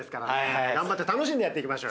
頑張って楽しんでやっていきましょうよ。